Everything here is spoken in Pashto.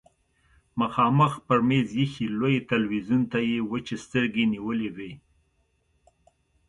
مخامخ پر مېز ايښي لوی تلويزيون ته يې وچې سترګې نيولې وې.